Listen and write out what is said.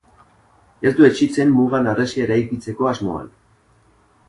Ez du etsitzen mugan harresia eraikitzeko asmoan.